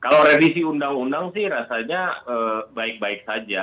kalau revisi undang undang sih rasanya baik baik saja